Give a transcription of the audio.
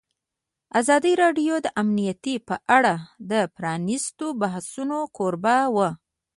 ازادي راډیو د امنیت په اړه د پرانیستو بحثونو کوربه وه.